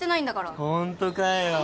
ホントかよ。